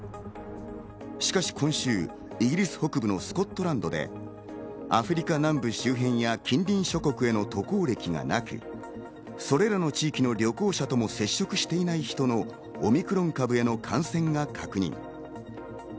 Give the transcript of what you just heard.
しかし今週イギリス北部のスコットランドでアフリカ南部周辺や近隣諸国への渡航歴がなく、それらの地域の旅行者とも接触していない人のオミクロン株への感染が確認。